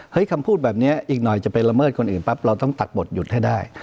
คำพูดแบบนี้อีกหน่อยจะไปละเมิดคนอื่นปั๊บเราต้องตัดบทหยุดให้ได้